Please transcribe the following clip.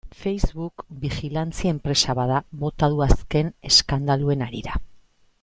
Facebook bijilantzia enpresa bat da, bota du azken eskandaluen harira.